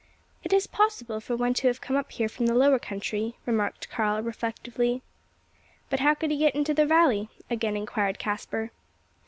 "It is possible for one to have come up here from the lower country," remarked Karl, reflectively. "But how could he get into the valley?" again inquired Caspar.